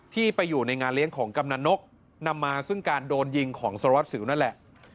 ที่ไปอยู่ในงานเลี้ยงของกำนันนกนำมาซึ่งการโดนยิงของสารวัสสิวนั่นแหละ